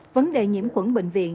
vấn đề nhiễm khuẩn bệnh viện